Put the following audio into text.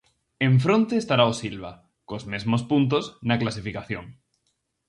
En fronte estará o Silva, cos mesmos puntos na clasificación.